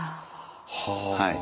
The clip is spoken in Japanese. はあ。